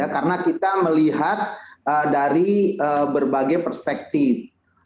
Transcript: karena kita melihat dari berbagai perspektif